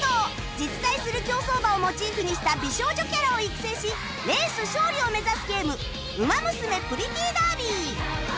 実在する競走馬をモチーフにした美少女キャラを育成しレース勝利を目指すゲーム『ウマ娘プリティーダービー』